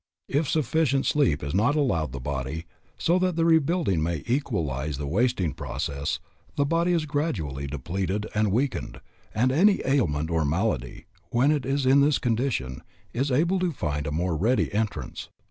If sufficient sleep is not allowed the body, so that the rebuilding may equalize the wasting process, the body is gradually depleted and weakened, and any ailment or malady, when it is in this condition, is able to find a more ready entrance.